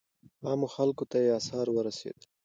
عامو خلکو ته یې آثار ورسېدل.